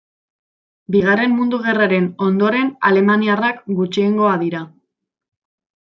Bigarren Mundu Gerraren ondoren alemaniarrak gutxiengoa dira.